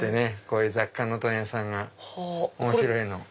こういう雑貨の問屋さんが面白いのを。